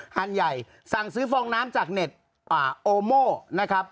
ฮันใหญ่สั่งซื้อฟองน้ำจากเน็ตโอโม่นะครับ